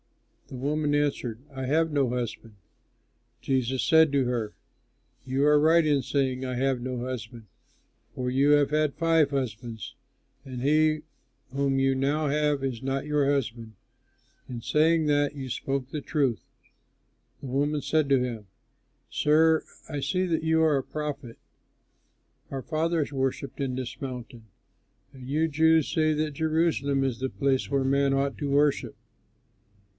The woman answered, "I have no husband." Jesus said to her, "You are right in saying, 'I have no husband,' for you have had five husbands, and he whom you now have is not your husband; in saying that, you spoke the truth." The woman said to him, "Sir, I see that you are a prophet. Our fathers worshipped in this mountain; and you Jews say that Jerusalem is the place where men ought to worship."